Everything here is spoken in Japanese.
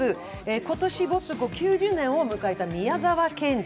今年、没後９０年を迎えた宮沢賢治。